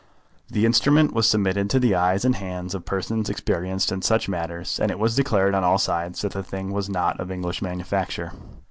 The instrument was submitted to the eyes and hands of persons experienced in such matters, and it was declared on all sides that the thing was not of English manufacture.